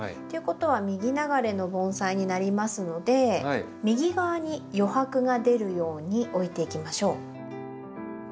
ということは右流れの盆栽になりますので右側に余白が出るように置いていきましょう。